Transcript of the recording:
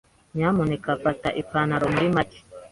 Nyamuneka fata ipantaro muri make.